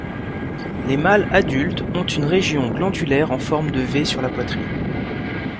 Les mâles adultes ont une région glandulaire en forme de V sur la poitrine.